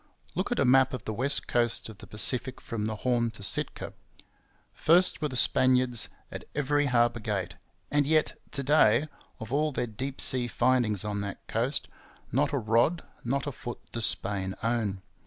Look at a map of the west coast of the Pacific from the Horn to Sitka. First were the Spaniards at every harbour gate; and yet to day, of all their deep sea findings on that coast, not a rod, not a foot, does Spain own.